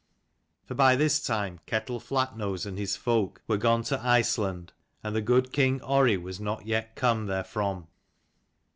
For by this time Ketel Flatnose and his folk were gone to A I Iceland, and the good King Orry was not yet come therefrom.